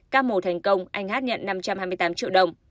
ca mổ thành công anh hát nhận năm trăm hai mươi tám triệu đồng